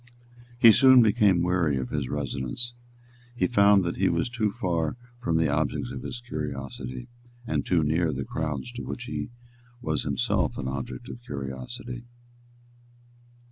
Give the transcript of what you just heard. He soon became weary of his residence. He found that he was too far from the objects of his curiosity, and too near to the crowds to which he was himself an object of curiosity.